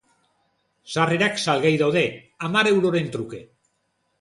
Sarrerak salgai daude, hamar euroren truke.